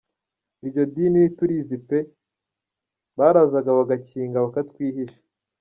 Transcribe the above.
Iryo dini ntiturizi pe barazaga bagakinga bakatwihisha.